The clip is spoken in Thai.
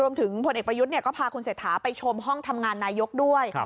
รวมถึงคนเอกประยุทธ์เนี่ยก็พาคุณเสถาไปชมห้องทำงานนายกด้วย